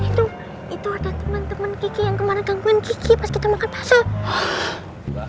itu itu ada temen temen kiki yang kemarin gangguin kiki pas kita makan pasar